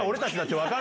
分かる。